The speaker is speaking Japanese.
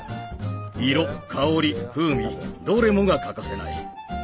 色香り風味どれもが欠かせない。